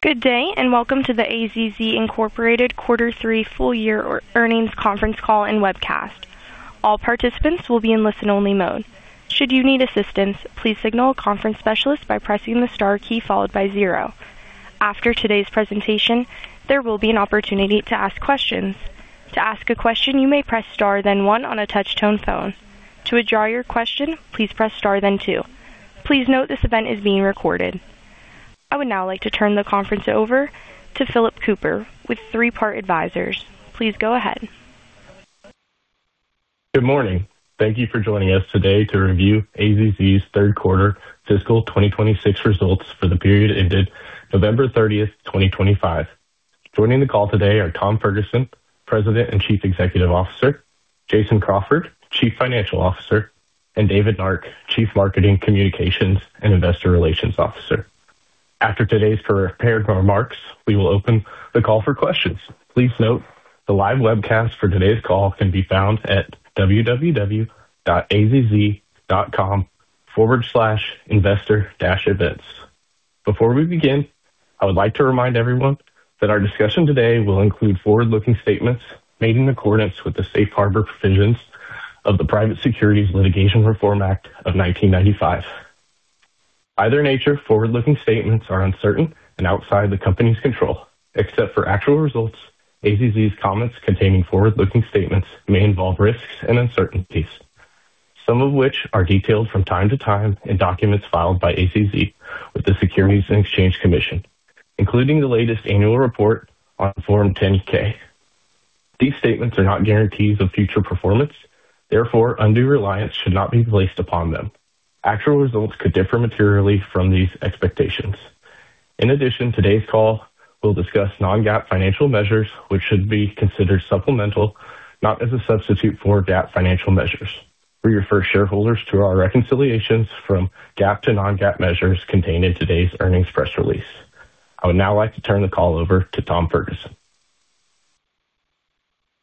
Good day and welcome to the AZZ Inc Quarter Three Full Year Earnings Conference Call and Webcast. All participants will be in listen-only mode. Should you need assistance, please signal a conference specialist by pressing the star key followed by zero. After today's presentation, there will be an opportunity to ask questions. To ask a question, you may press star, then one on a touch-tone phone. To withdraw your question, please press star, then two. Please note this event is being recorded. I would now like to turn the conference over to Phillip Kupper with Three Part Advisors. Please go ahead. Good morning. Thank you for joining us today to review AZZ's third quarter fiscal 2026 results for the period ended November 30th, 2025. Joining the call today are Tom Ferguson, President and Chief Executive Officer. Jason Crawford, Chief Financial Officer. And David Nark, Chief Marketing, Communications, and Investor Relations Officer. After today's prepared remarks, we will open the call for questions. Please note the live webcast for today's call can be found at www.azz.com/investor-events. Before we begin, I would like to remind everyone that our discussion today will include forward-looking statements made in accordance with the Safe Harbor Provisions of the Private Securities Litigation Reform Act of 1995. By their nature, forward-looking statements are uncertain and outside the company's control. Except for actual results, AZZ's comments containing forward-looking statements may involve risks and uncertainties, some of which are detailed from time to time in documents filed by AZZ with the Securities and Exchange Commission, including the latest annual report on Form 10-K. These statements are not guarantees of future performance. Therefore, undue reliance should not be placed upon them. Actual results could differ materially from these expectations. In addition, today's call will discuss non-GAAP financial measures, which should be considered supplemental, not as a substitute for GAAP financial measures. We refer shareholders to our reconciliations from GAAP to non-GAAP measures contained in today's earnings press release. I would now like to turn the call over to Tom Ferguson.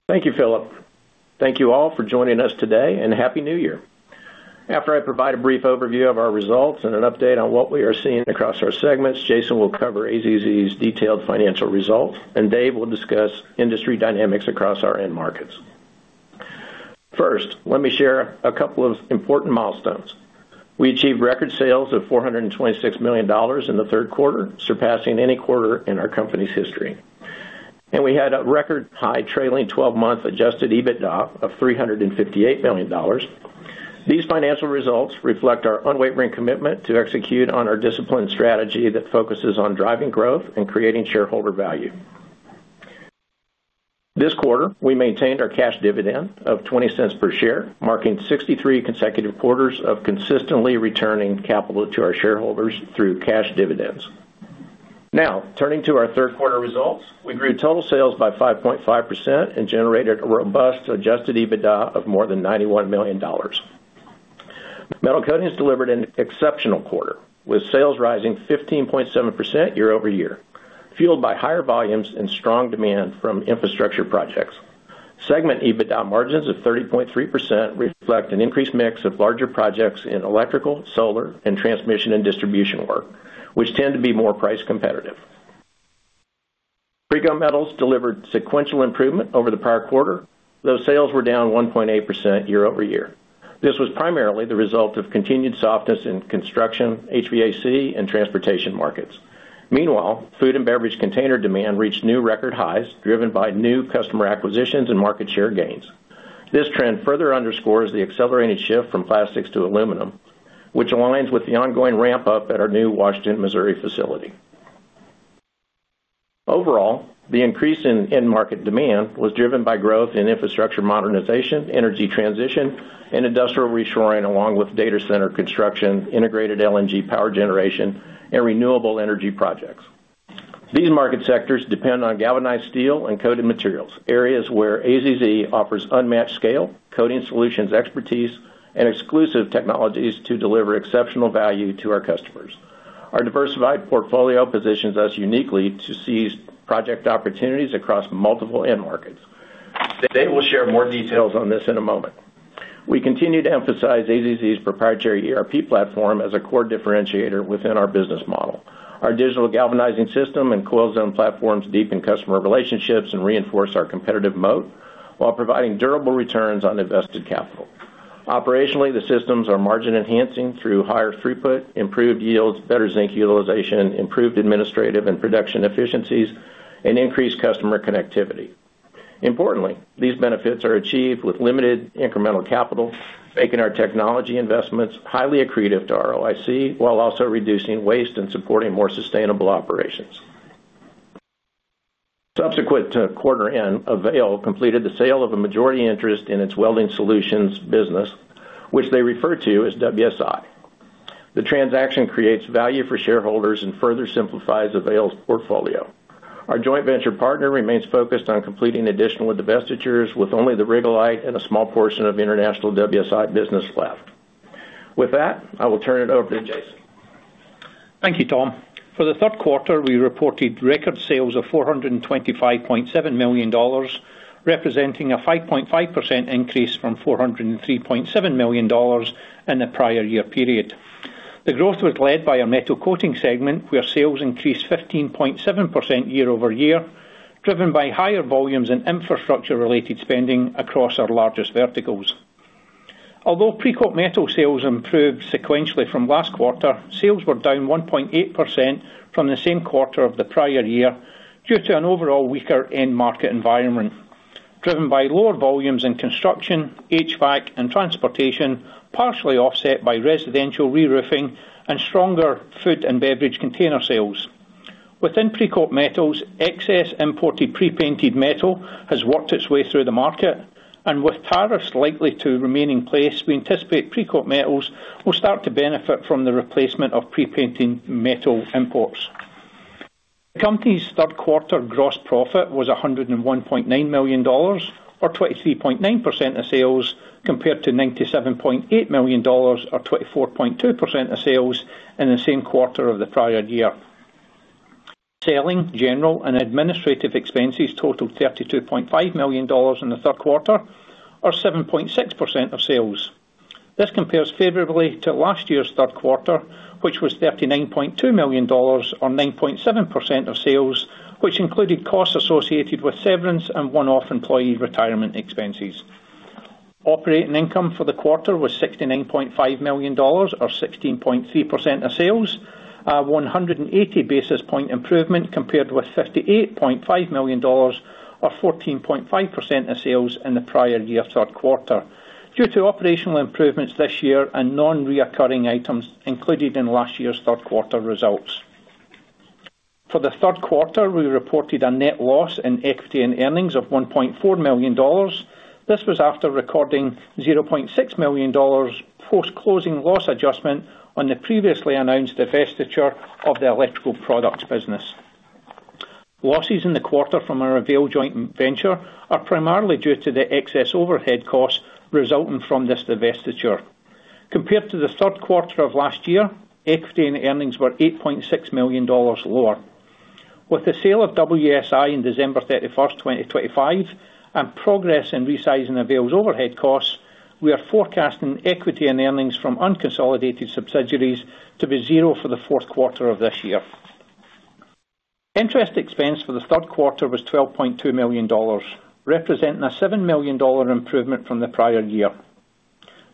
Thank you, Philip. Thank you all for joining us today, and Happy New Year. After I provide a brief overview of our results and an update on what we are seeing across our segments, Jason will cover AZZ's detailed financial results, and Dave will discuss industry dynamics across our end markets. First, let me share a couple of important milestones. We achieved record sales of $426 million in the third quarter, surpassing any quarter in our company's history. And we had a record high trailing 12-month adjusted EBITDA of $358 million. These financial results reflect our unwavering commitment to execute on our disciplined strategy that focuses on driving growth and creating shareholder value. This quarter, we maintained our cash dividend of $0.20 per share, marking 63 consecutive quarters of consistently returning capital to our shareholders through cash dividends. Now, turning to our third quarter results, we grew total sales by 5.5% and generated a robust adjusted EBITDA of more than $91 million. Metal Coatings delivered an exceptional quarter, with sales rising 15.7% year over year, fueled by higher volumes and strong demand from infrastructure projects. Segment EBITDA margins of 30.3% reflect an increased mix of larger projects in electrical, solar, and transmission and distribution work, which tend to be more price competitive. Precoat Metals delivered sequential improvement over the prior quarter, though sales were down 1.8% year over year. This was primarily the result of continued softness in construction, HVAC, and transportation markets. Meanwhile, food and beverage container demand reached new record highs, driven by new customer acquisitions and market share gains. This trend further underscores the accelerated shift from plastics to aluminum, which aligns with the ongoing ramp-up at our new Washington, Missouri facility. Overall, the increase in end market demand was driven by growth in infrastructure modernization, energy transition, and industrial reshoring, along with data center construction, integrated LNG power generation, and renewable energy projects. These market sectors depend on galvanized steel and coated materials, areas where AZZ offers unmatched scale, coating solutions expertise, and exclusive technologies to deliver exceptional value to our customers. Our diversified portfolio positions us uniquely to seize project opportunities across multiple end markets. Today, we'll share more details on this in a moment. We continue to emphasize AZZ's proprietary ERP platform as a core differentiator within our business model. Our Digital Galvanizing System and CoilZone platforms deepen customer relationships and reinforce our competitive moat while providing durable returns on invested capital. Operationally, the systems are margin-enhancing through higher throughput, improved yields, better zinc utilization, improved administrative and production efficiencies, and increased customer connectivity. Importantly, these benefits are achieved with limited incremental capital, making our technology investments highly accretive to ROIC while also reducing waste and supporting more sustainable operations. Subsequent to quarter end, Avail completed the sale of a majority interest in its welding solutions business, which they refer to as WSI. The transaction creates value for shareholders and further simplifies Avail's portfolio. Our joint venture partner remains focused on completing additional divestitures with only the Rig-A-Lite and a small portion of international WSI business left. With that, I will turn it over to Jason. Thank you, Tom. For the third quarter, we reported record sales of $425.7 million, representing a 5.5% increase from $403.7 million in the prior year period. The growth was led by our Metal Coatings segment, where sales increased 15.7% year over year, driven by higher volumes and infrastructure-related spending across our largest verticals. Although Precoat Metals sales improved sequentially from last quarter, sales were down 1.8% from the same quarter of the prior year due to an overall weaker end market environment, driven by lower volumes in construction, HVAC, and transportation, partially offset by residential reroofing and stronger food and beverage container sales. Within Precoat Metals, excess imported pre-painted metal has worked its way through the market, and with tariffs likely to remain in place, we anticipate Precoat Metals will start to benefit from the replacement of pre-painting metal imports. The company's third quarter gross profit was $101.9 million, or 23.9% of sales, compared to $97.8 million, or 24.2% of sales, in the same quarter of the prior year. Selling, general, and administrative expenses totaled $32.5 million in the third quarter, or 7.6% of sales. This compares favorably to last year's third quarter, which was $39.2 million, or 9.7% of sales, which included costs associated with severance and one-off employee retirement expenses. Operating income for the quarter was $69.5 million, or 16.3% of sales, a 180 basis point improvement compared with $58.5 million, or 14.5% of sales in the prior year's third quarter, due to operational improvements this year and non-recurring items included in last year's third quarter results. For the third quarter, we reported a net loss in equity and earnings of $1.4 million. This was after recording $0.6 million post-closing loss adjustment on the previously announced divestiture of the electrical products business. Losses in the quarter from our Avail joint venture are primarily due to the excess overhead costs resulting from this divestiture. Compared to the third quarter of last year, equity and earnings were $8.6 million lower. With the sale of WSI on December 31st, 2025, and progress in resizing Avail's overhead costs, we are forecasting equity and earnings from unconsolidated subsidiaries to be zero for the fourth quarter of this year. Interest expense for the third quarter was $12.2 million, representing a $7 million improvement from the prior year,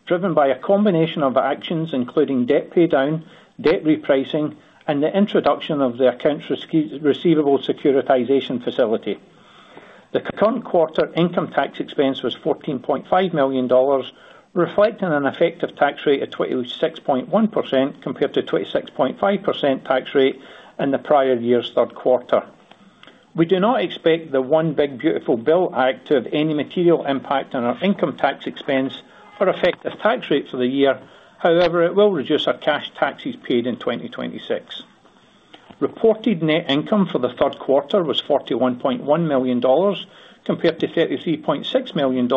driven by a combination of actions including debt pay down, debt repricing, and the introduction of the accounts receivable securitization facility. The current quarter income tax expense was $14.5 million, reflecting an effective tax rate of 26.1% compared to 26.5% tax rate in the prior year's third quarter. We do not expect the One Big Beautiful Bill Act to have any material impact on our income tax expense or effective tax rate for the year. However, it will reduce our cash taxes paid in 2026. Reported net income for the third quarter was $41.1 million compared to $33.6 million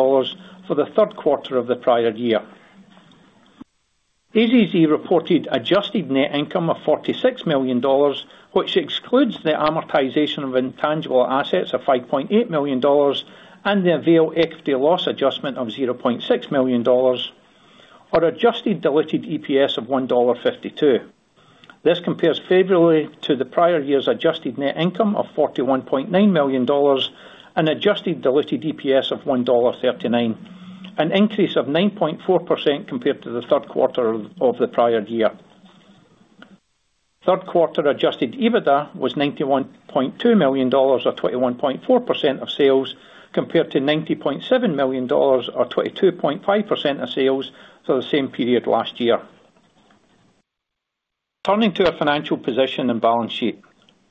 for the third quarter of the prior year. AZZ reported adjusted net income of $46 million, which excludes the amortization of intangible assets of $5.8 million and the Avail equity loss adjustment of $0.6 million, or adjusted diluted EPS of $1.52. This compares February to the prior year's adjusted net income of $41.9 million and adjusted diluted EPS of $1.39, an increase of 9.4% compared to the third quarter of the prior year. Third quarter adjusted EBITDA was $91.2 million, or 21.4% of sales, compared to $90.7 million, or 22.5% of sales for the same period last year. Turning to our financial position and balance sheet,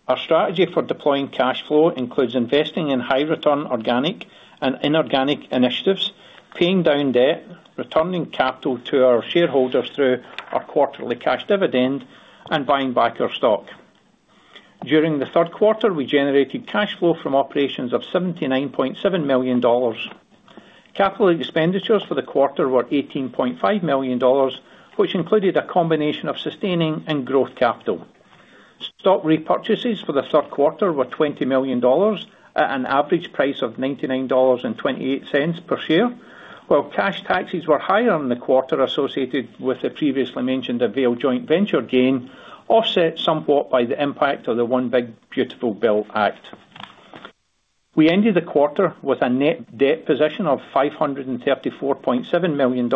our strategy for deploying cash flow includes investing in high-return organic and inorganic initiatives, paying down debt, returning capital to our shareholders through our quarterly cash dividend, and buying back our stock. During the third quarter, we generated cash flow from operations of $79.7 million. Capital expenditures for the quarter were $18.5 million, which included a combination of sustaining and growth capital. Stock repurchases for the third quarter were $20 million at an average price of $99.28 per share, while cash taxes were higher in the quarter associated with the previously mentioned Avail joint venture gain, offset somewhat by the impact of the One Big Beautiful Bill Act. We ended the quarter with a net debt position of $534.7 million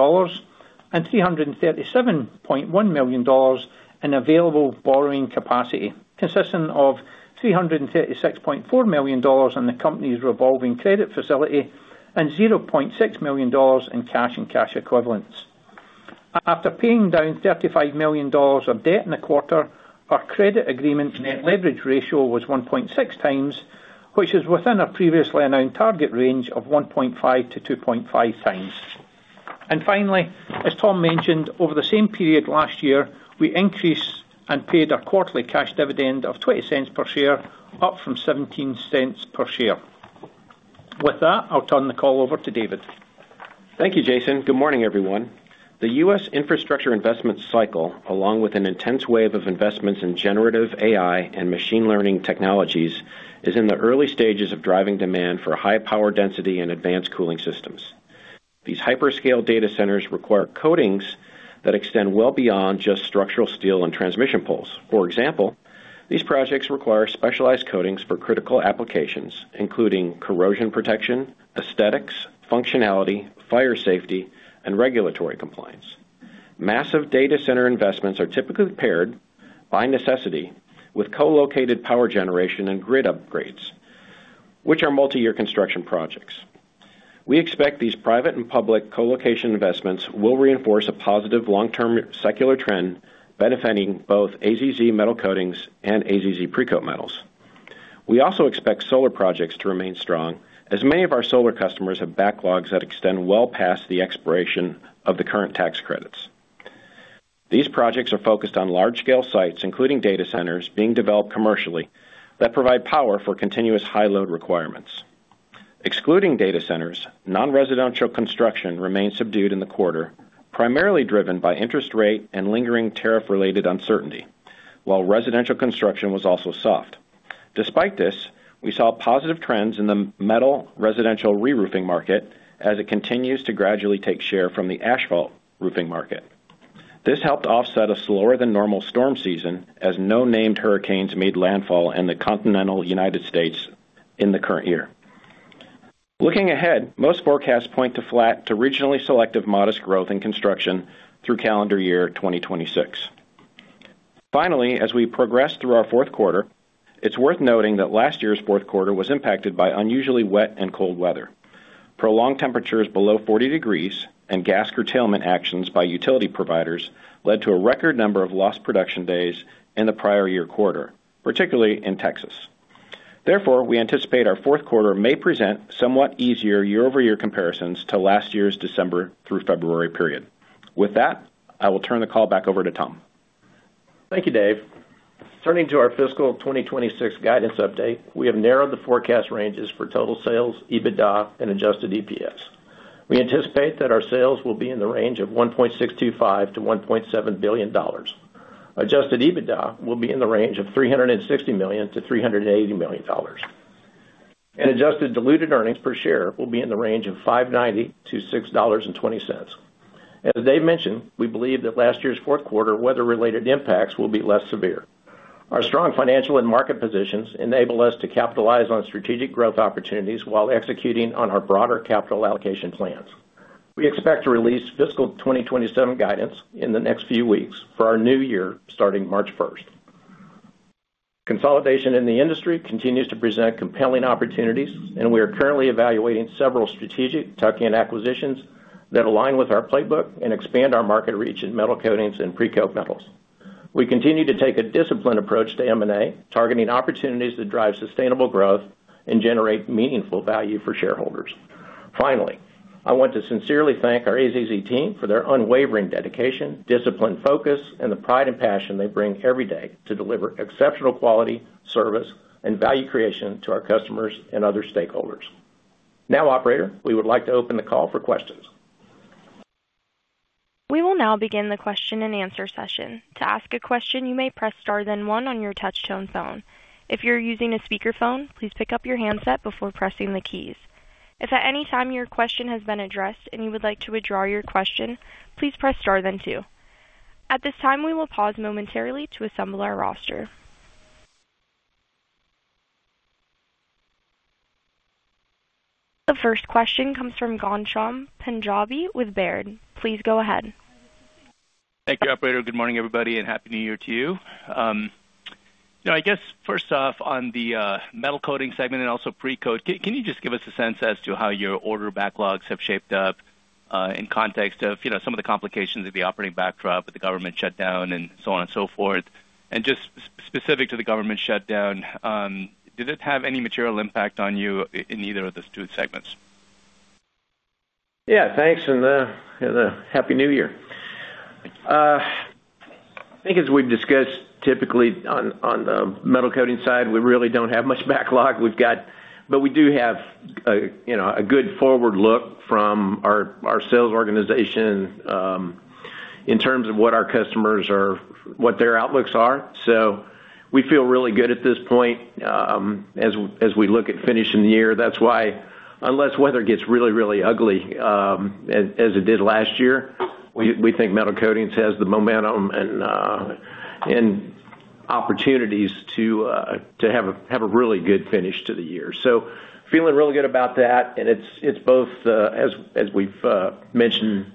and $337.1 million in available borrowing capacity, consisting of $336.4 million in the company's revolving credit facility and $0.6 million in cash and cash equivalents. After paying down $35 million of debt in the quarter, our credit agreement net leverage ratio was 1.6x, which is within our previously announced target range of 1.5x to 2.5x, and finally, as Tom mentioned, over the same period last year, we increased and paid a quarterly cash dividend of $0.20 per share, up from $0.17 per share. With that, I'll turn the call over to David. Thank you, Jason. Good morning, everyone. The U.S. infrastructure investment cycle, along with an intense wave of investments in generative AI and machine learning technologies, is in the early stages of driving demand for high power density and advanced cooling systems. These hyperscale data centers require coatings that extend well beyond just structural steel and transmission poles. For example, these projects require specialized coatings for critical applications, including corrosion protection, aesthetics, functionality, fire safety, and regulatory compliance. Massive data center investments are typically paired, by necessity, with co-located power generation and grid upgrades, which are multi-year construction projects. We expect these private and public co-location investments will reinforce a positive long-term secular trend, benefiting both AZZ Metal Coatings and AZZ Precoat Metals. We also expect solar projects to remain strong, as many of our solar customers have backlogs that extend well past the expiration of the current tax credits. These projects are focused on large-scale sites, including data centers, being developed commercially that provide power for continuous high-load requirements. Excluding data centers, non-residential construction remained subdued in the quarter, primarily driven by interest rate and lingering tariff-related uncertainty, while residential construction was also soft. Despite this, we saw positive trends in the metal residential reroofing market as it continues to gradually take share from the asphalt roofing market. This helped offset a slower-than-normal storm season, as no named hurricanes made landfall in the continental United States in the current year. Looking ahead, most forecasts point to flat to regionally selective modest growth in construction through calendar year 2026. Finally, as we progress through our fourth quarter, it's worth noting that last year's fourth quarter was impacted by unusually wet and cold weather. Prolonged temperatures below 40 degrees and gas curtailment actions by utility providers led to a record number of lost production days in the prior year quarter, particularly in Texas. Therefore, we anticipate our fourth quarter may present somewhat easier year-over-year comparisons to last year's December through February period. With that, I will turn the call back over to Tom. Thank you, Dave. Turning to our fiscal 2026 guidance update, we have narrowed the forecast ranges for total sales, EBITDA, and adjusted EPS. We anticipate that our sales will be in the range of $1.625 billion-$1.7 billion. Adjusted EBITDA will be in the range of $360 million-$380 million. And adjusted diluted earnings per share will be in the range of $5.90-$6.20. As Dave mentioned, we believe that last year's fourth quarter weather-related impacts will be less severe. Our strong financial and market positions enable us to capitalize on strategic growth opportunities while executing on our broader capital allocation plans. We expect to release fiscal 2027 guidance in the next few weeks for our new year starting March 1st. Consolidation in the industry continues to present compelling opportunities, and we are currently evaluating several strategic tuck-in acquisitions that align with our playbook and expand our market reach in metal coatings and Precoat Metals. We continue to take a disciplined approach to M&A, targeting opportunities to drive sustainable growth and generate meaningful value for shareholders. Finally, I want to sincerely thank our AZZ team for their unwavering dedication, disciplined focus, and the pride and passion they bring every day to deliver exceptional quality, service, and value creation to our customers and other stakeholders. Now, Operator, we would like to open the call for questions. We will now begin the question and answer session. To ask a question, you may press star then one on your touch-tone phone. If you're using a speakerphone, please pick up your handset before pressing the keys. If at any time your question has been addressed and you would like to withdraw your question, please press star then two. At this time, we will pause momentarily to assemble our roster. The first question comes from Ghansham Panjabi with Baird. Please go ahead. Thank you, Operator. Good morning, everybody, and happy New Year to you. You know, I guess, first off, on the Metal Coatings segment and also Precoat, can you just give us a sense as to how your order backlogs have shaped up in context of some of the complications of the operating backdrop with the government shutdown and so on and so forth? And just specific to the government shutdown, did it have any material impact on you in either of the two segments? Yeah, thanks, and Happy New Year. I think as we've discussed, typically on the Metal Coatings side, we really don't have much backlog, but we do have a good forward look from our sales organization in terms of what our customers are, what their outlooks are, so we feel really good at this point as we look at finishing the year. That's why, unless weather gets really, really ugly, as it did last year, we think Metal Coatings has the momentum and opportunities to have a really good finish to the year, so feeling really good about that, and it's both, as we've mentioned,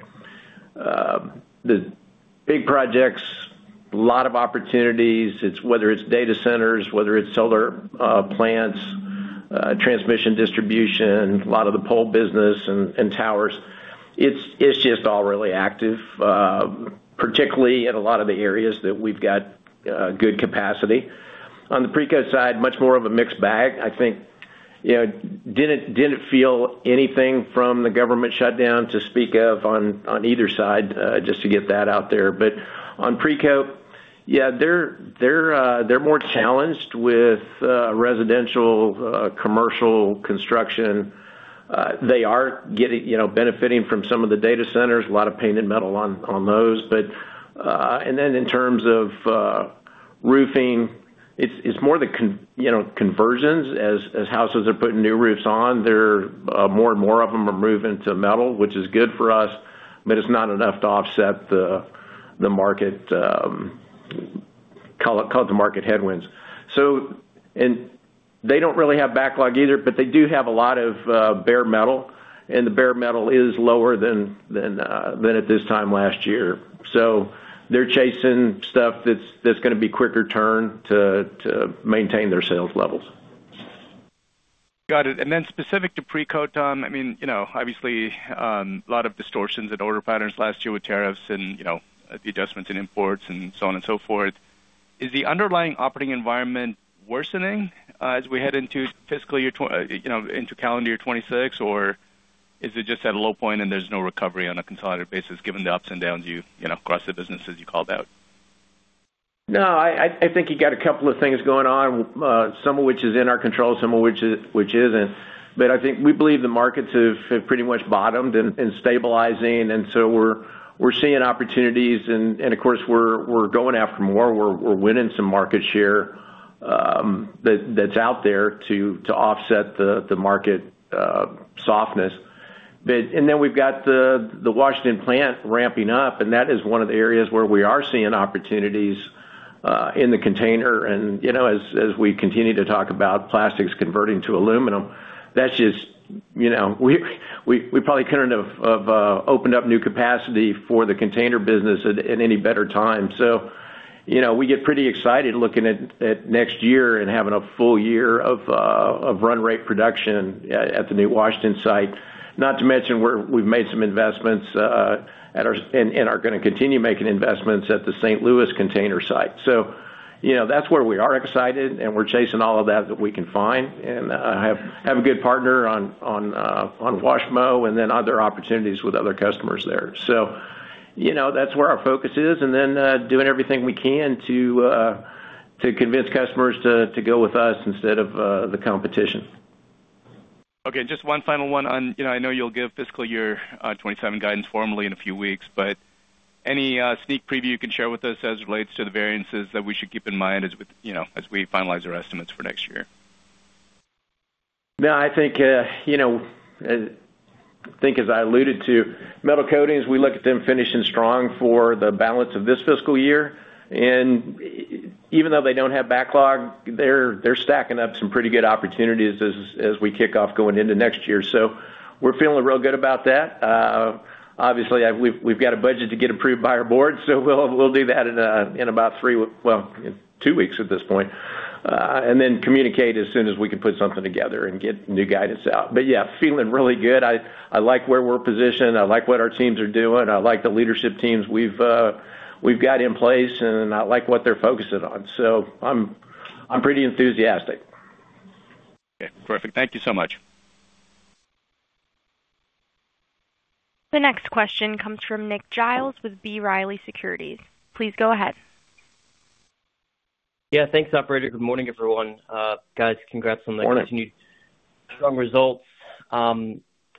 the big projects, a lot of opportunities, whether it's data centers, whether it's solar plants, transmission distribution, a lot of the pole business and towers. It's just all really active, particularly in a lot of the areas that we've got good capacity. On the Precoat side, much more of a mixed bag. I think didn't feel anything from the government shutdown to speak of on either side, just to get that out there, but on Precoat, yeah, they're more challenged with residential, commercial construction. They are benefiting from some of the data centers, a lot of painted metal on those. And then in terms of roofing, it's more the conversions. As houses are putting new roofs on, more and more of them are moving to metal, which is good for us, but it's not enough to offset the market headwinds. And they don't really have backlog either, but they do have a lot of bare metal, and the bare metal is lower than at this time last year, so they're chasing stuff that's going to be quicker turn to maintain their sales levels. Got it. And then specific to Precoat, Tom, I mean, obviously, a lot of distortions in order patterns last year with tariffs and the adjustments in imports and so on and so forth. Is the underlying operating environment worsening as we head into fiscal year into calendar year 2026, or is it just at a low point and there's no recovery on a consolidated basis given the ups and downs across the businesses you called out? No, I think you got a couple of things going on, some of which is in our control, some of which isn't. But I think we believe the markets have pretty much bottomed and stabilizing, and so we're seeing opportunities. And of course, we're going after more. We're winning some market share that's out there to offset the market softness. And then we've got the Washington plant ramping up, and that is one of the areas where we are seeing opportunities in the container. And as we continue to talk about plastics converting to aluminum, that's just we probably couldn't have opened up new capacity for the container business at any better time. So we get pretty excited looking at next year and having a full year of run rate production at the new Washington site. Not to mention we've made some investments and are going to continue making investments at the St. Louis container site, so that's where we are excited, and we're chasing all of that that we can find and have a good partner on WashMO and then other opportunities with other customers there, so that's where our focus is, and then doing everything we can to convince customers to go with us instead of the competition. Okay, just one final one on. I know you'll give fiscal year 2027 guidance formally in a few weeks, but any sneak preview you can share with us as it relates to the variances that we should keep in mind as we finalize our estimates for next year? No, I think, as I alluded to, metal coatings, we look at them finishing strong for the balance of this fiscal year. And even though they don't have backlog, they're stacking up some pretty good opportunities as we kick off going into next year. So we're feeling real good about that. Obviously, we've got a budget to get approved by our board, so we'll do that in about three, two weeks at this point, and then communicate as soon as we can put something together and get new guidance out. But yeah, feeling really good. I like where we're positioned. I like what our teams are doing. I like the leadership teams we've got in place, and I like what they're focusing on. So I'm pretty enthusiastic. Okay, perfect. Thank you so much. The next question comes from Nick Giles with B. Riley Securities. Please go ahead. Yeah, thanks, Operator. Good morning, everyone. Guys, congrats on the continued strong results.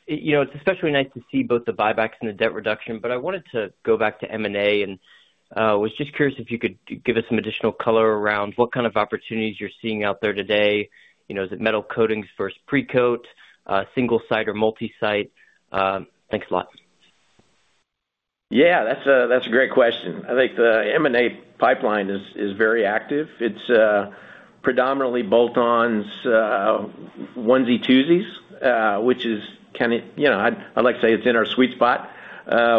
It's especially nice to see both the buybacks and the debt reduction, but I wanted to go back to M&A and was just curious if you could give us some additional color around what kind of opportunities you're seeing out there today. Is it Metal Coatings versus Precoat, single site or multi-site? Thanks a lot. Yeah, that's a great question. I think the M&A pipeline is very active. It's predominantly bolt-ons, onesies, twosies, which is kind of I'd like to say it's in our sweet spot.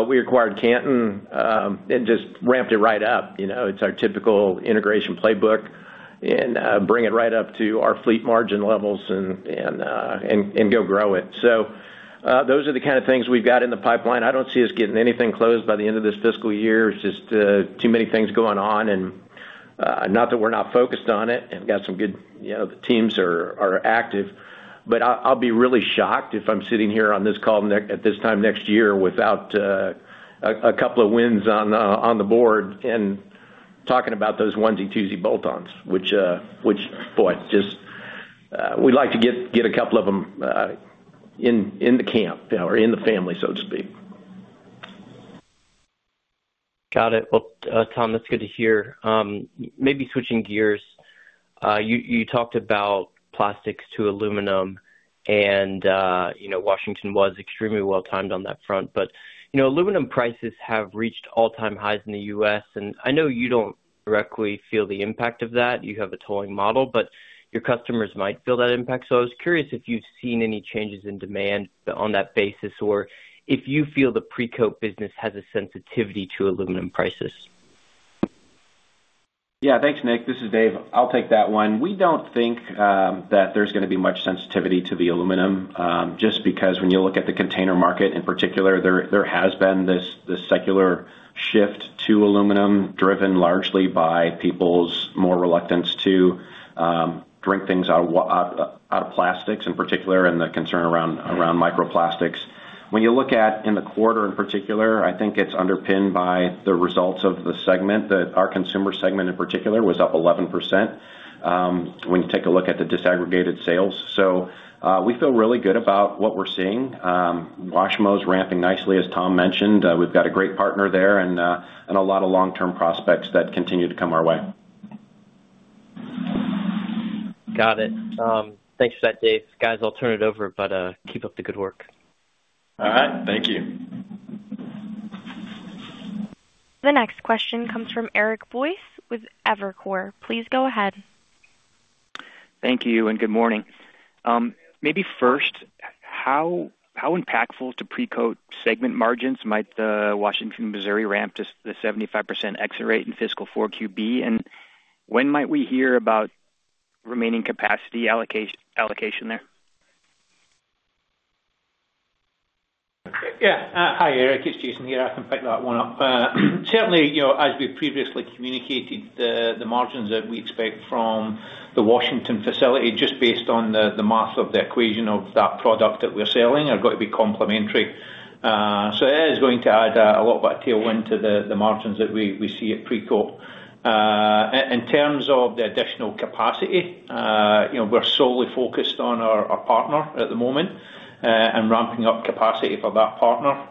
We acquired Canton and just ramped it right up. It's our typical integration playbook and bring it right up to our fleet margin levels and go grow it. So those are the kind of things we've got in the pipeline. I don't see us getting anything closed by the end of this fiscal year. It's just too many things going on, and not that we're not focused on it and got some good teams are active. But I'll be really shocked if I'm sitting here on this call at this time next year without a couple of wins on the board and talking about those onesies, twosie, bolt-ons, which, boy, just we'd like to get a couple of them in the camp or in the family, so to speak. Got it. Well, Tom, that's good to hear. Maybe switching gears, you talked about plastics to aluminum, and Washington was extremely well timed on that front. But aluminum prices have reached all-time highs in the U.S., and I know you don't directly feel the impact of that. You have a tolling model, but your customers might feel that impact. So I was curious if you've seen any changes in demand on that basis or if you feel the Precoat business has a sensitivity to aluminum prices. Yeah, thanks, Nick. This is Dave. I'll take that one. We don't think that there's going to be much sensitivity to the aluminum just because when you look at the container market in particular, there has been this secular shift to aluminum driven largely by people's more reluctance to drink things out of plastics in particular and the concern around microplastics. When you look at in the quarter in particular, I think it's underpinned by the results of the segment that our consumer segment in particular was up 11% when you take a look at the disaggregated sales. So we feel really good about what we're seeing. WashMO is ramping nicely, as Tom mentioned. We've got a great partner there and a lot of long-term prospects that continue to come our way. Got it. Thanks for that, Dave. Guys, I'll turn it over, but keep up the good work. All right, thank you. The next question comes from Eric Boyce with Evercore. Please go ahead. Thank you and good morning. Maybe first, how impactful to Precoat segment margins might the Washington, Missouri ramp to the 75% exit rate in fiscal 4QB? And when might we hear about remaining capacity allocation there? Yeah, hi, Eric. It's Jason here. I can pick that one up. Certainly, as we previously communicated, the margins that we expect from the Washington facility, just based on the math of the equation of that product that we're selling, are going to be complementary. So it is going to add a lot of that tailwind to the margins that we see at Precoat. In terms of the additional capacity, we're solely focused on our partner at the moment and ramping up capacity for that partner.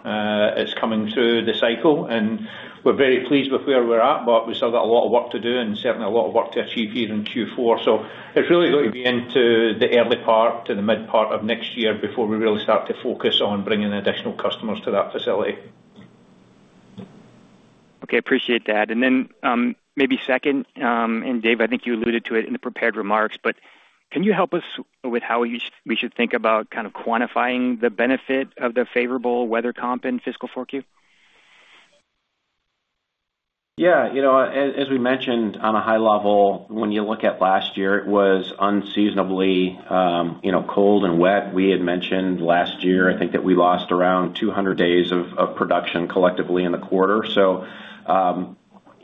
It's coming through the cycle, and we're very pleased with where we're at, but we still got a lot of work to do and certainly a lot of work to achieve here in Q4. So it's really going to be into the early part to the mid part of next year before we really start to focus on bringing additional customers to that facility. Okay, appreciate that. And then maybe second, and Dave, I think you alluded to it in the prepared remarks, but can you help us with how we should think about kind of quantifying the benefit of the favorable weather comp in fiscal 4Q? Yeah, as we mentioned on a high level, when you look at last year, it was unseasonably cold and wet. We had mentioned last year, I think that we lost around 200 days of production collectively in the quarter. So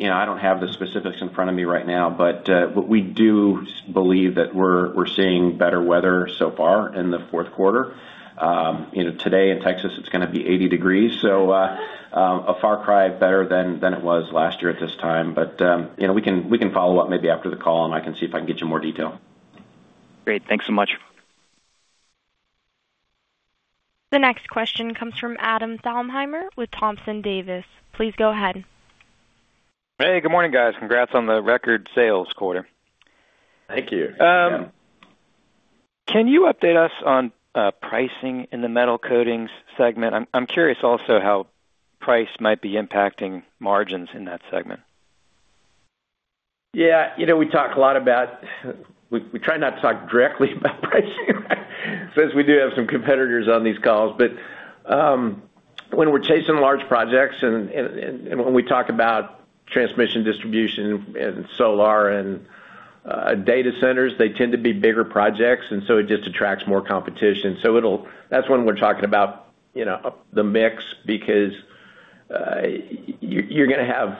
I don't have the specifics in front of me right now, but we do believe that we're seeing better weather so far in the fourth quarter. Today in Texas, it's going to be 80 degrees, so a far cry better than it was last year at this time. But we can follow up maybe after the call, and I can see if I can get you more detail. Great, thanks so much. The next question comes from Adam Thalhimer with Thompson Davis. Please go ahead. Hey, good morning, guys. Congrats on the record sales quarter. Thank you. Can you update us on pricing in the metal coatings segment? I'm curious also how price might be impacting margins in that segment. Yeah, we talk a lot about we try not to talk directly about pricing since we do have some competitors on these calls. But when we're chasing large projects and when we talk about transmission distribution and solar and data centers, they tend to be bigger projects, and so it just attracts more competition. So that's when we're talking about the mix because you're going to have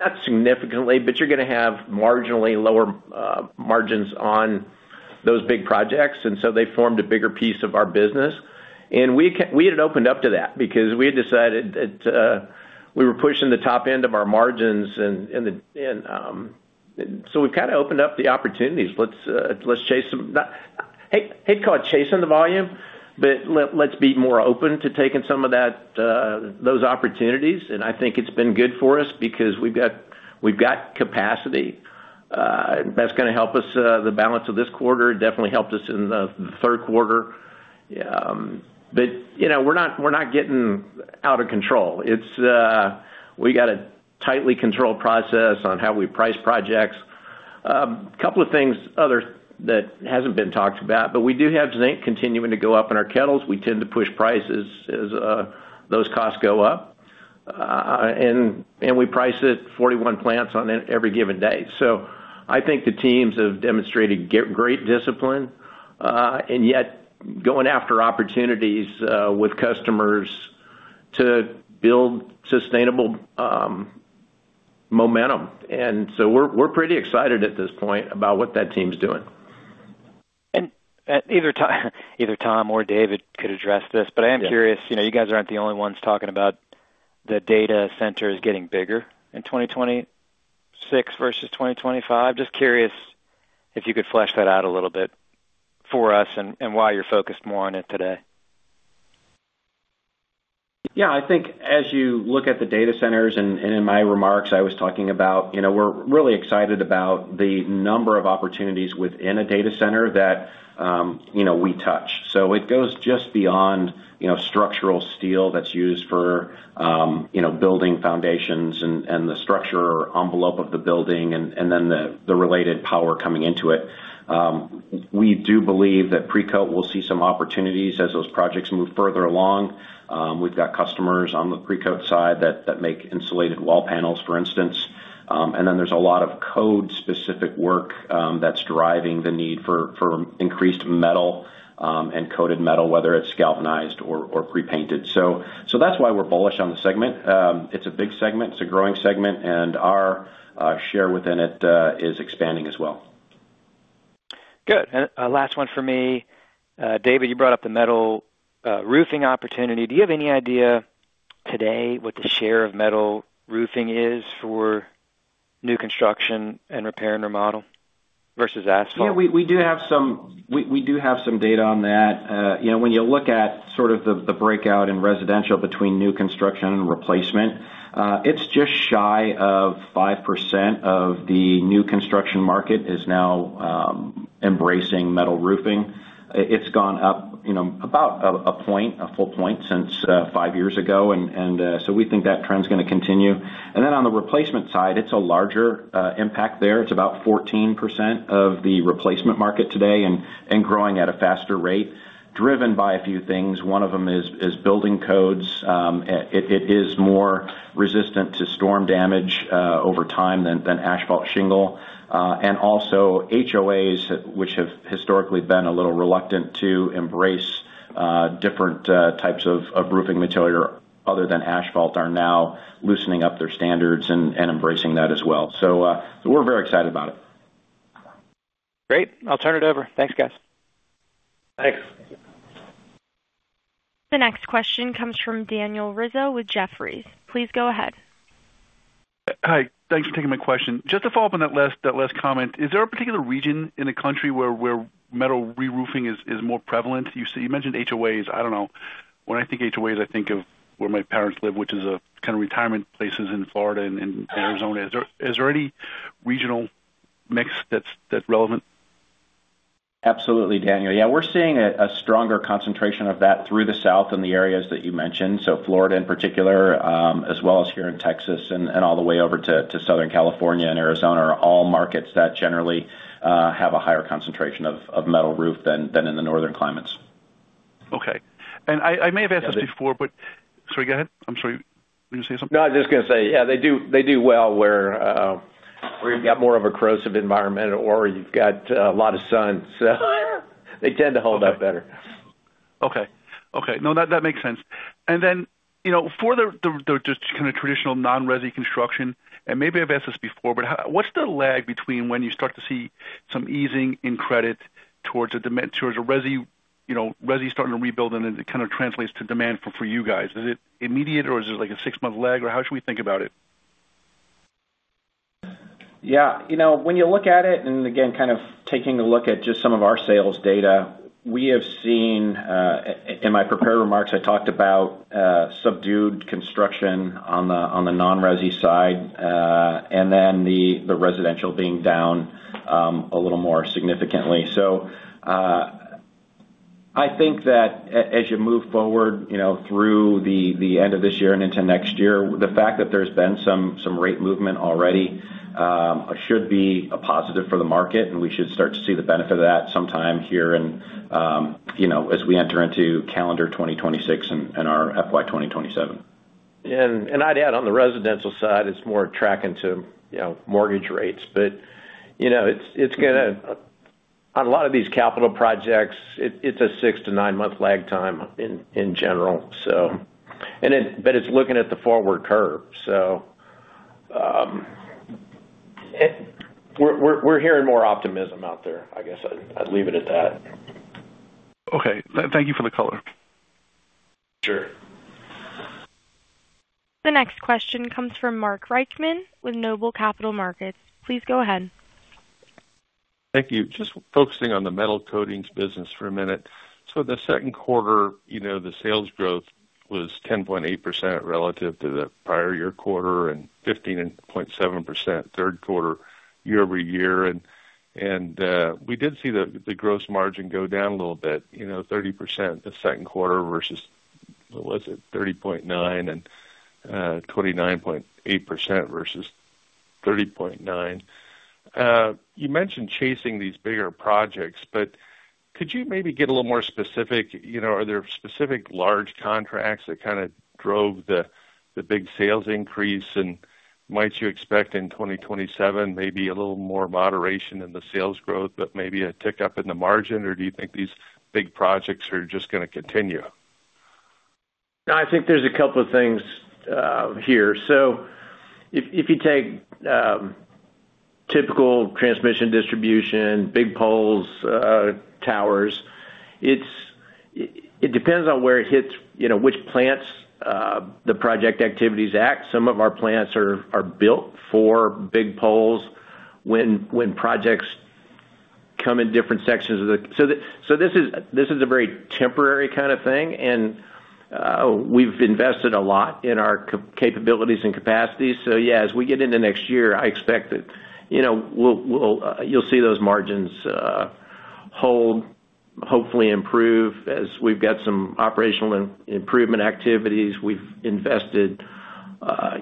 not significantly, but you're going to have marginally lower margins on those big projects. And so they formed a bigger piece of our business. And we had opened up to that because we had decided that we were pushing the top end of our margins. And so we've kind of opened up the opportunities. Let's chase some—hey, hey—call it chasing the volume, but let's be more open to taking some of those opportunities. I think it's been good for us because we've got capacity. That's going to help us. The balance of this quarter definitely helped us in the third quarter. But we're not getting out of control. We got a tightly controlled process on how we price projects. A couple of things other than that hasn't been talked about, but we do have zinc continuing to go up in our kettles. We tend to push prices as those costs go up, and we price at 41 plants on every given day. So I think the teams have demonstrated great discipline and yet going after opportunities with customers to build sustainable momentum. So we're pretty excited at this point about what that team's doing. And either Tom or David could address this, but I am curious. You guys aren't the only ones talking about the data centers getting bigger in 2026 versus 2025. Just curious if you could flesh that out a little bit for us and why you're focused more on it today. Yeah, I think as you look at the data centers and in my remarks, I was talking about we're really excited about the number of opportunities within a data center that we touch. So it goes just beyond structural steel that's used for building foundations and the structural envelope of the building and then the related power coming into it. We do believe that Precoat will see some opportunities as those projects move further along. We've got customers on the Precoat side that make insulated wall panels, for instance. And then there's a lot of code-specific work that's driving the need for increased metal and coated metal, whether it's galvanized or prepainted. So that's why we're bullish on the segment. It's a big segment. It's a growing segment, and our share within it is expanding as well. Good, and last one for me. David, you brought up the metal roofing opportunity. Do you have any idea today what the share of metal roofing is for new construction and repair and remodel versus asphalt? Yeah, we do have some data on that. When you look at sort of the breakout in residential between new construction and replacement, it's just shy of 5% of the new construction market is now embracing metal roofing. It's gone up about a full point since five years ago. And so we think that trend's going to continue. And then on the replacement side, it's a larger impact there. It's about 14% of the replacement market today and growing at a faster rate driven by a few things. One of them is building codes. It is more resistant to storm damage over time than asphalt shingle. And also HOAs, which have historically been a little reluctant to embrace different types of roofing material other than asphalt, are now loosening up their standards and embracing that as well. So we're very excited about it. Great. I'll turn it over. Thanks, guys. Thanks. The next question comes from Daniel Rizzo with Jefferies. Please go ahead. Hi. Thanks for taking my question. Just to follow up on that last comment, is there a particular region in the country where metal reroofing is more prevalent? You mentioned HOAs. I don't know. When I think HOAs, I think of where my parents live, which is kind of retirement places in Florida and Arizona. Is there any regional mix that's relevant? Absolutely, Daniel. Yeah, we're seeing a stronger concentration of that through the South in the areas that you mentioned. So Florida in particular, as well as here in Texas and all the way over to Southern California and Arizona, are all markets that generally have a higher concentration of metal roofing than in the northern climates. Okay. And I may have asked this before, but sorry, go ahead. I'm sorry. Were you going to say something? No, I was just going to say, yeah, they do well where you've got more of a corrosive environment or you've got a lot of sun. So they tend to hold up better. Okay. No, that makes sense. And then for the just kind of traditional non-resi construction, and maybe I've asked this before, but what's the lag between when you start to see some easing in credit towards a resi starting to rebuild and then it kind of translates to demand for you guys? Is it immediate or is there like a six-month lag or how should we think about it? Yeah. When you look at it, and again, kind of taking a look at just some of our sales data, we have seen. In my prepared remarks, I talked about subdued construction on the non-resi side and then the residential being down a little more significantly. I think that as you move forward through the end of this year and into next year, the fact that there's been some rate movement already should be a positive for the market, and we should start to see the benefit of that sometime here as we enter into calendar 2026 and our FY 2027. And I'd add on the residential side, it's more tracking to mortgage rates. But it's going to, on a lot of these capital projects, it's a six- to nine-month lag time in general. And then it's looking at the forward curve. So we're hearing more optimism out there, I guess. I'd leave it at that. Okay. Thank you for the color. Sure. The next question comes from Mark Reichman with Noble Capital Markets. Please go ahead. Thank you. Just focusing on the metal coatings business for a minute. So the second quarter, the sales growth was 10.8% relative to the prior year quarter and 15.7% third quarter year over year. And we did see the gross margin go down a little bit, 30% the second quarter versus what was it? 30.9% and 29.8% versus 30.9%. You mentioned chasing these bigger projects, but could you maybe get a little more specific? Are there specific large contracts that kind of drove the big sales increase? And might you expect in 2027 maybe a little more moderation in the sales growth, but maybe a tick up in the margin? Or do you think these big projects are just going to continue? No, I think there's a couple of things here. So if you take typical transmission distribution, big poles, towers, it depends on where it hits, which plants the project activities impact. Some of our plants are built for big poles when projects come in different sections of the, so this is a very temporary kind of thing. And we've invested a lot in our capabilities and capacity. So yeah, as we get into next year, I expect that you'll see those margins hold, hopefully improve as we've got some operational improvement activities. We've invested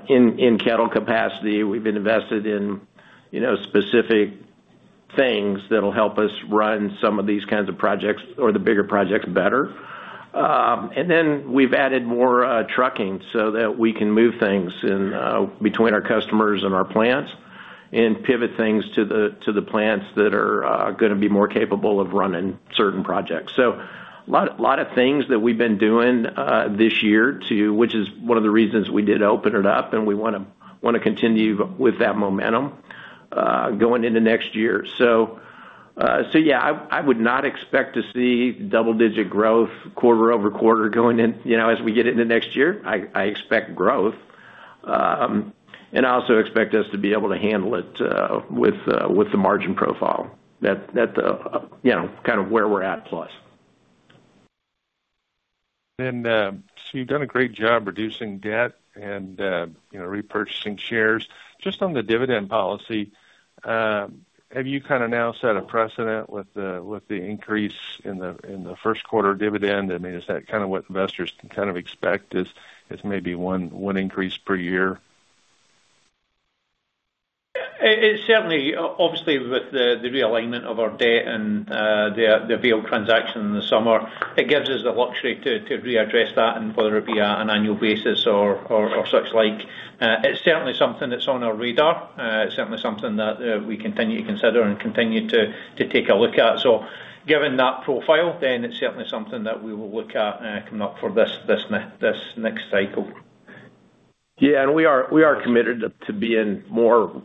in kettle capacity. We've invested in specific things that'll help us run some of these kinds of projects or the bigger projects better. And then we've added more trucking so that we can move things between our customers and our plants and pivot things to the plants that are going to be more capable of running certain projects. So a lot of things that we've been doing this year, which is one of the reasons we did open it up, and we want to continue with that momentum going into next year. So yeah, I would not expect to see double-digit growth quarter over quarter going in as we get into next year. I expect growth. And I also expect us to be able to handle it with the margin profile. That's kind of where we're at plus. So you've done a great job reducing debt and repurchasing shares. Just on the dividend policy, have you kind of now set a precedent with the increase in the first quarter dividend? I mean, is that kind of what investors can kind of expect is maybe one increase per year? Certainly, obviously with the realignment of our debt and the available transaction in the summer, it gives us the luxury to readdress that, and whether it be on an annual basis or such like. It's certainly something that's on our radar. It's certainly something that we continue to consider and continue to take a look at. So given that profile, then it's certainly something that we will look at coming up for this next cycle. Yeah. And we are committed to being more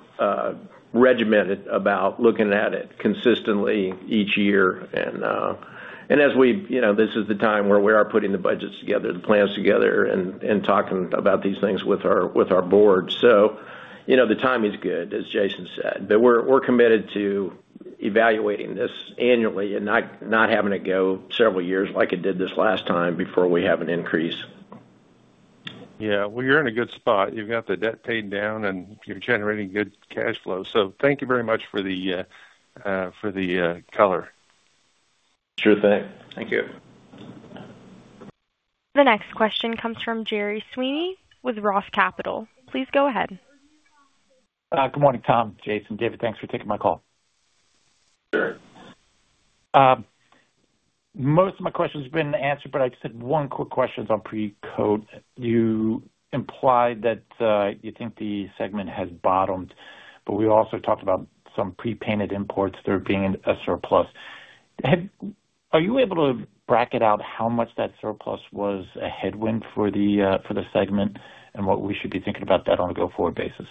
regimented about looking at it consistently each year. And as we, this is the time where we are putting the budgets together, the plans together, and talking about these things with our board. So the time is good, as Jason said. But we're committed to evaluating this annually and not having to go several years like it did this last time before we have an increase. Yeah. Well, you're in a good spot. You've got the debt paid down, and you're generating good cash flow. So thank you very much for the color. Sure thing. Thank you. The next question comes from Gerry Sweeney with Roth Capital. Please go ahead. Good morning, Tom, Jason, David. Thanks for taking my call. Sure. Most of my questions have been answered, but I just had one quick question on Precoat. You implied that you think the segment has bottomed, but we also talked about some prepainted imports there being a surplus. Are you able to bracket out how much that surplus was a headwind for the segment and what we should be thinking about that on a go-forward basis?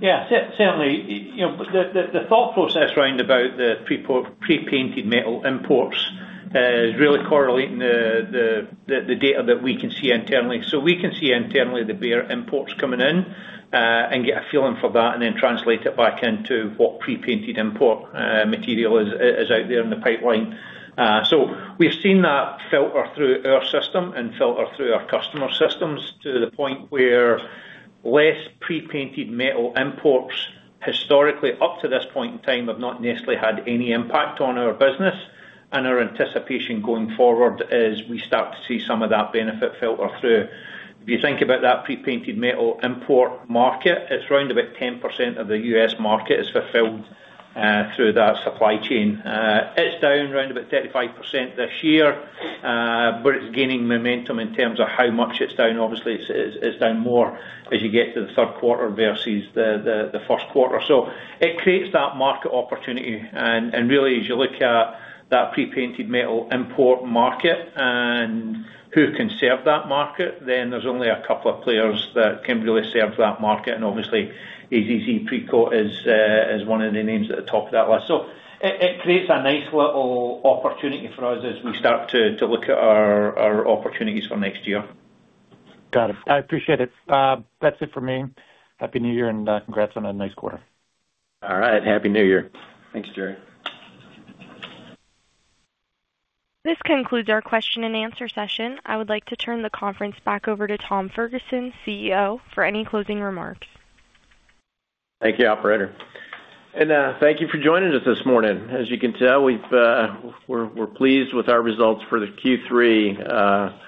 Yeah. Certainly, the thought process around about the prepainted metal imports is really correlating the data that we can see internally. So we can see internally the bare imports coming in and get a feeling for that and then translate it back into what prepainted import material is out there in the pipeline. So we've seen that filter through our system and filter through our customer systems to the point where less prepainted metal imports historically up to this point in time have not necessarily had any impact on our business. And our anticipation going forward is we start to see some of that benefit filter through. If you think about that prepainted metal import market, it's around about 10% of the U.S. market is fulfilled through that supply chain. It's down around about 35% this year, but it's gaining momentum in terms of how much it's down. Obviously, it's down more as you get to the third quarter versus the first quarter. So it creates that market opportunity. And really, as you look at that prepainted metal import market and who can serve that market, then there's only a couple of players that can really serve that market. And obviously, AZZ Precoat is one of the names at the top of that list. So it creates a nice little opportunity for us as we start to look at our opportunities for next year. Got it. I appreciate it. That's it for me. Happy New Year and congrats on a nice quarter. All right. Happy New Year. Thanks, Gerry. This concludes our question and answer session. I would like to turn the conference back over to Tom Ferguson, CEO, for any closing remarks. Thank you, Operator, and thank you for joining us this morning. As you can tell, we're pleased with our results for the Q3.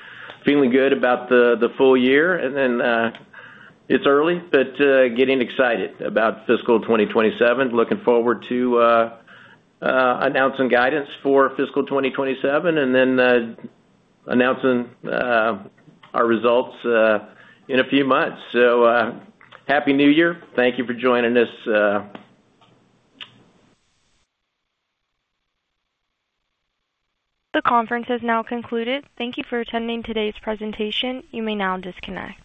Feeling good about the full year, and then it's early, but getting excited about fiscal 2027, looking forward to announcing guidance for fiscal 2027 and then announcing our results in a few months. Happy New Year. Thank you for joining us. The conference has now concluded. Thank you for attending today's presentation. You may now disconnect.